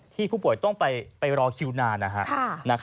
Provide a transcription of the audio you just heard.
ที่ผู้ป่วยต้องไปรอคิวนานนะครับ